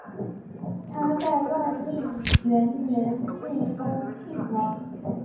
他在万历元年晋封庆王。